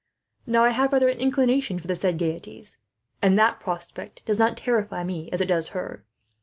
"Now I have rather an inclination for the said gaieties, and that prospect does not terrify me as it does her.